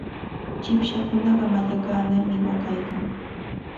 Chipshakunaqa mallaqanarmi waqaykan.